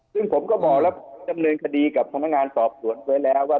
ซึ่งผมก็บอกแล้วดำเนินคดีกับพนักงานสอบสวนไว้แล้วว่า